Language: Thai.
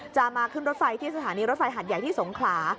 มาขึ้นรถไฟที่สถานีรถไฟหัดใหญ่ที่สงขลา